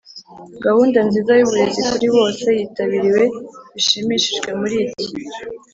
Gahunda nziza y uburezi kuri bose yitabiriwe bishimishije muri iki